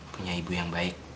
punya ibu yang baik